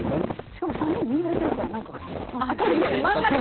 しかも３人見慣れてるから。